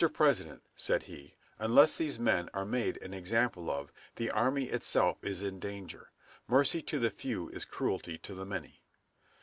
President," said he, "unless these men are made an example of, the army itself is in danger. Mercy to the few is cruelty to the many."